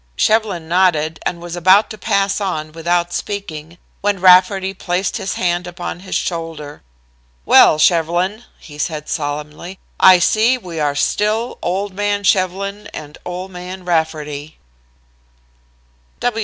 Shevlin nodded and was about to pass on without speaking, when Rafferty placed his hand upon his shoulder. "Well, Shevlin," he said solemnly, "I see we are still old man Shevlin and old man Rafferty."